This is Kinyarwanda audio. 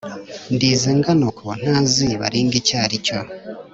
Ndinze ngana uku ntazi baringa icyo aricyo